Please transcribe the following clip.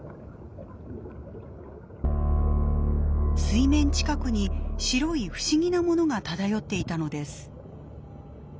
水面近くに白い不思議なものが漂っていたのです。